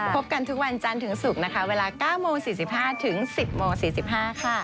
พบกันทุกวันจันทร์ถึงศุกร์นะคะเวลา๙โมง๔๕ถึง๑๐โมง๔๕ค่ะ